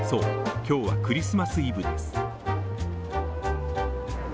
今日はクリスマスイブです。